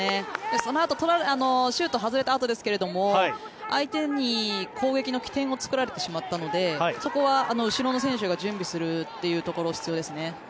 そのあとシュートが外れたあとですけど相手に攻撃の起点を作られてしまったのでそこは後ろの選手が準備するというところが必要ですね。